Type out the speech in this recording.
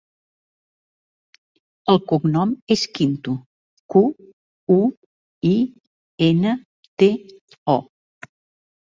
El cognom és Quinto: cu, u, i, ena, te, o.